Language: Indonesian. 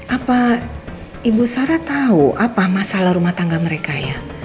apa ibu sarah tahu apa masalah rumah tangga mereka ya